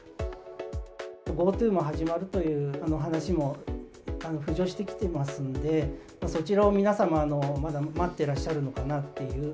ＧｏＴｏも始まるという話も浮上してきてますんで、そちらを皆様、まだ待ってらっしゃるのかなという。